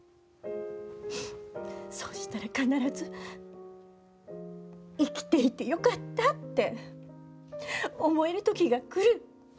そうしたら必ず「生きていてよかった」って思える時が来る。